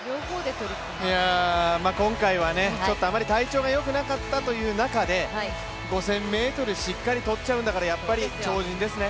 今回はあまり体調が良くなかったという中で５０００ｍしっかり取っちゃうんだからやっぱり超人ですよね。